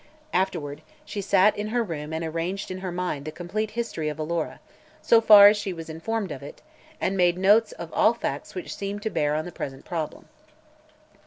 Afterward, she sat in her room and arranged in her mind the complete history of Alora, so far as she was informed of it, and made notes of all facts which seemed to bear on the present problem.